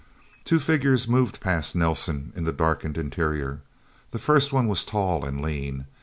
Two figures moved past Nelsen in the darkened interior. The first one was tall and lean.